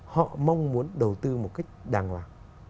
họ mong muốn đầu tư một cách đàng hoàng